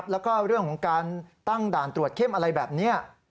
แล้วก็เรื่องของการตั้งด่านตรวจเข้มอะไรแบบนี้